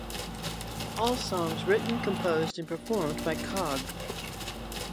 All songs written, composed and performed by Cog.